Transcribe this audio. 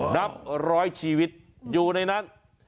นับร้อยชีวิตอยู่ในนั้น